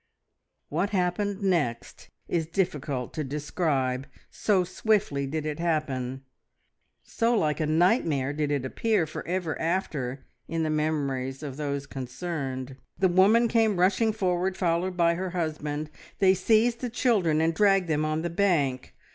What happened next it is difficult to describe, so swiftly did it happen, so like a nightmare did it appear for ever after in the memories of those concerned. The woman came rushing forward, followed by her husband; they seized the children and dragged them on the bank.